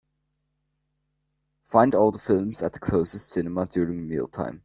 Find all the films at the closestcinema during meal time.